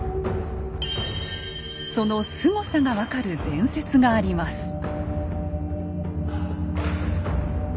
そのスゴさが分かる伝説があります。